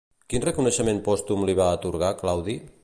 Quin reconeixement pòstum li va atorgar Claudi?